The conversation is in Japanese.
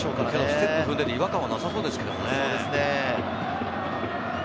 ステップを踏んでいて、違和感はなさそうですけどね。